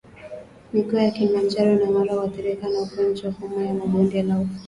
Mikoa ya Kilimanjaro na Mara huathirika na ugonjwa wa homa ya bonde la ufa